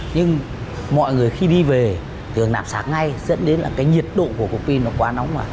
nhưng mọi người khi đi về thường nạp sạc ngay dẫn đến nhiệt độ của cục pin nó quá nóng